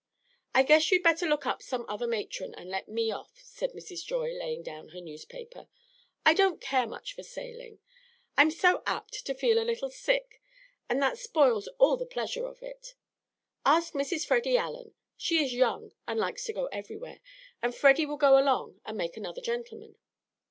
"I guess you'd better look up some other matron, and let me off," said Mrs. Joy, laying down her newspaper. "I don't care much for sailing. I'm so apt to feel a little sick, and that spoils all the pleasure of it. Ask Mrs. Freddy Allen; she is young, and likes to go everywhere, and Freddy will go along and make another gentleman."